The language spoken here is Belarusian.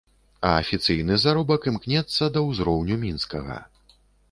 А афіцыйны заробак імкнецца да ўзроўню мінскага.